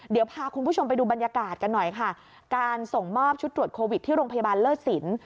เดี๋ยวพาคุณผู้ชมไปดูบรรยากาศกันหน่อยค่ะการส่งมอบชุดตรวจโควิดที่โรงพยาบาลเลิศสิน